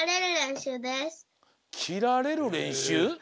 きられるれんしゅう？